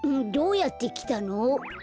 どうやってきたの？